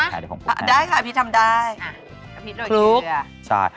พริกคะพริกทำได้